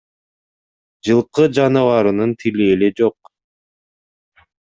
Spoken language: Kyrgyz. Жылкы жаныбарынын тили эле жок.